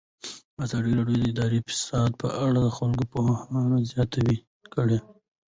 ازادي راډیو د اداري فساد په اړه د خلکو پوهاوی زیات کړی.